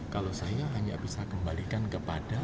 kalau saya hanya bisa kembalikan kepada